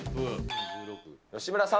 吉村さん。